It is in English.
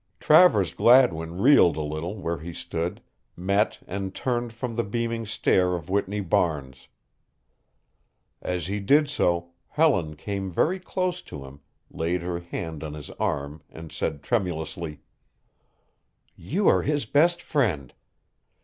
Travers Gladwin reeled a little where he stood, met and turned from the beaming stare of Whitney Barnes. As he did so Helen came very close to him, laid her hand on his arm and said tremulously: "You are his best friend.